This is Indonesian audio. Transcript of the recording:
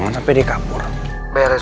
lo simpen aja kamu sendiri